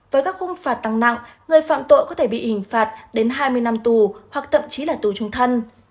với các khung phạt tăng nặng người phạm tội có thể bị hình phạt đến hai mươi năm tù hoặc thậm chí là tù trung thân